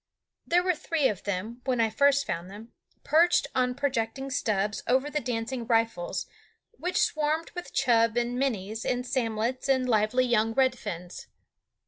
There were three of them, when I first found them, perched on projecting stubs over the dancing riffles, which swarmed with chub and "minnies" and samlets and lively young red fins.